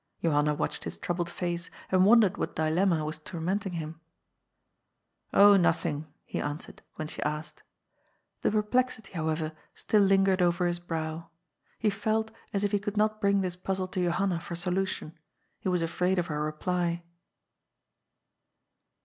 Johanna watched his troubled face and wondered what dilemma was tormenting him. ^^ Oh, nothing," he answered, HBNDRIK LOSSELL'S FIRST STEP. 223 when she asked. The perplexity, however, still lingered over his brow. He felt as if he could not bring this pazzle to Johanna for solution. He was afraid of her reply.